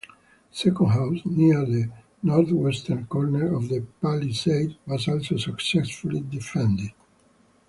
A second house, near the northwestern corner of the palisade, was also successfully defended.